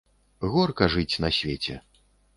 Горка жыць на свеце!